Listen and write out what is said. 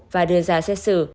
và đưa ra xét xử